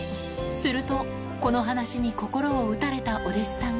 すると、この話に心を打たれたお弟子さんが。